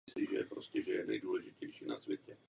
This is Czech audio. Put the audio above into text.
Celá tato kolekce byla vytvořena výlučně z afrických surovin.